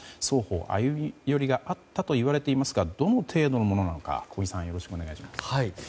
双方、歩み寄りがあったといわれていますがどの程度のものなのか、小木さんよろしくお願いします。